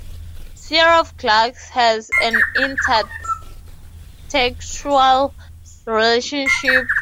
"City of Glass" has an intertextual relationship with Cervantes' "Don Quixote".